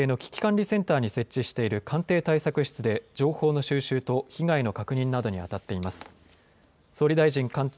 総理大臣官邸の危機管理センターに設置している官邸対策室で情報の収集と被害の確認などにあたっています。